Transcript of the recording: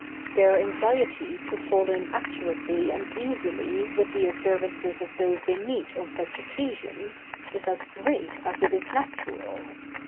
] Their anxiety to fall in accurately and easily with the observances of those they meet on such occasions is as great as it is natural.